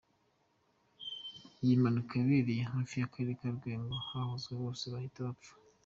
Iyi mpanuka yabereye hafi y’ akarere ka Lwengo abagonzwe bose bahita bapfa.